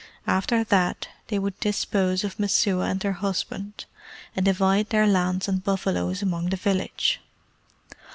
After that they would dispose of Messua and her husband, and divide their lands and buffaloes among the village.